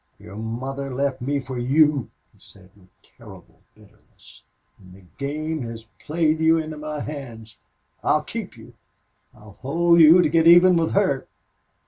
"Your mother left me for YOU," he said, with terrible bitterness. "And the game has played you into my hands. I'll keep you. I'll hold you to get even with her."